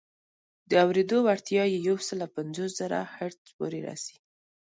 د اورېدو وړتیا یې یو سل پنځوس زره هرتز پورې رسي.